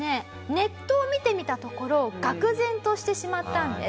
ネットを見てみたところ愕然としてしまったんです。